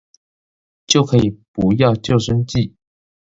就可以不要舊生計